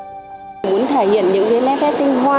chúng ta muốn thể hiện những nét vẽ tinh hoa